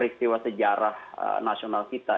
sejarah nasional kita